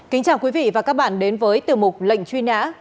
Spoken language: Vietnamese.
kính chào quý vị và các bạn đến với tiểu mục lệnh truy nã